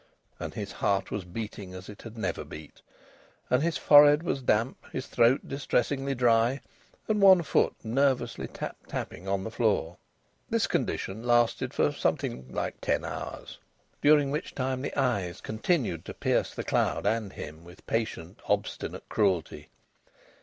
And his heart was beating as it had never beat, and his forehead was damp, his throat distressingly dry, and one foot nervously tap tapping on the floor. This condition lasted for something like ten hours, during which time the eyes continued to pierce the cloud and him with patient, obstinate cruelty.